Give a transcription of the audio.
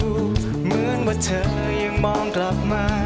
เหมือนว่าเธอยังมองกลับมา